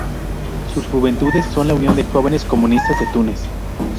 Sus juventudes son la Unión de Jóvenes Comunistas de Túnez.